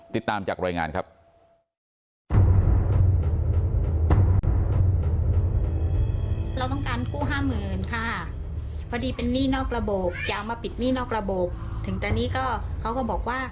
ติดตามจากรายงานครับ